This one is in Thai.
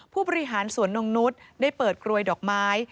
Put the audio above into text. ผู้บริหารสวนนงนุษย์ได้เปิดกรวยดอกไม้